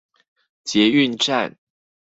捷運站